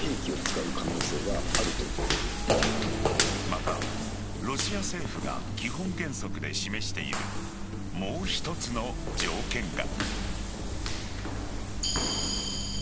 また、ロシア政府が基本原則で示しているもう一つの条件が。